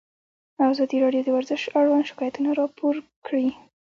ازادي راډیو د ورزش اړوند شکایتونه راپور کړي.